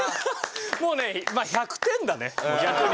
もうね１００点だね逆に。